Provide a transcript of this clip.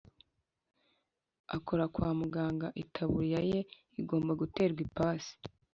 Akora kwa muganga itaburiya ye igomba guterwa ipasi